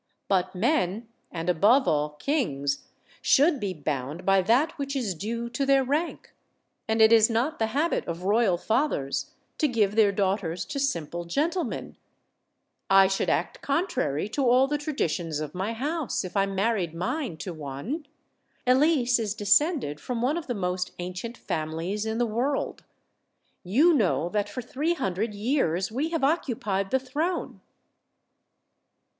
But men, and, above all, kings, should be bound by that which is due to their rank; and it is not the habit of royal fathers to give their daughters to simple gentlemen: I should act con trary to all the traditions of my house if I married mine to one. Elise is descended from one of the most ancient families in the world. You know that for three hundred years we have occupied the throne."